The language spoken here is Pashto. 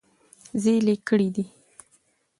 زېلې کړي دي -